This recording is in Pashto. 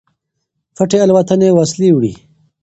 پټې الوتنې وسلې وړي.